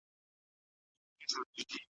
کله چې پوهه شریکېږي، انزوا نه پراخېږي.